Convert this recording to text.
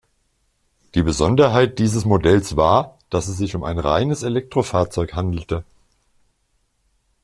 Die Besonderheit dieses Modells war, dass es sich um ein reines Elektrofahrzeug handelte.